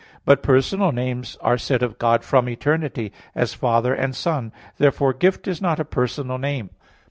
But personal names are said of God from eternity; as "Father," and "Son." Therefore "Gift" is not a personal name.